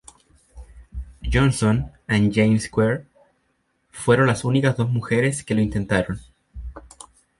Johnson y Jane Squire fueron las únicas dos mujeres que lo intentaron.